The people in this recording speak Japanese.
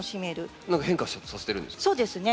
何か変化させてるんですか？